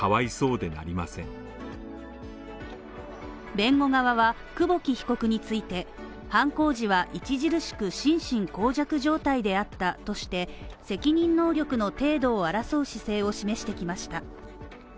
弁護側は久保木被告について、犯行時は著しく心神耗弱状態であったとして、責任能力の程度を争う姿勢を示してきました。